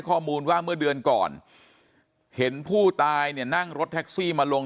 ข้อมูลว่าเมื่อเดือนก่อนเห็นผู้ตายเนี่ยนั่งรถแท็กซี่มาลง